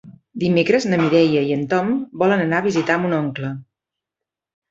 Dimecres na Mireia i en Tom volen anar a visitar mon oncle.